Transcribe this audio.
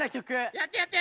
やってやって。